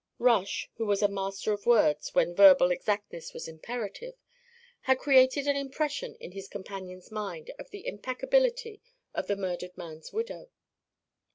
Rush, who was a master of words when verbal exactness was imperative, had created an impression in his companion's mind of the impeccability of the murdered man's widow.